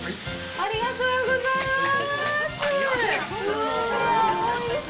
ありがとうございます。